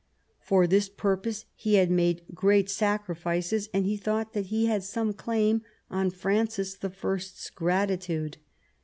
For this purpose he had made great sacrifices, and he thought that he had some claim on Francis L's gratitude.